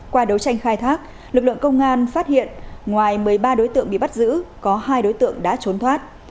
qua đấu tranh khai thác lực lượng công an phát hiện ngoài một mươi ba đối tượng bị bắt giữ có hai đối tượng đã trốn thoát